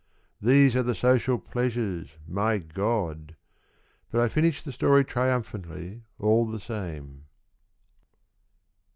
These are the social pleasures, my God ! But I finish the story triumphantly all the same.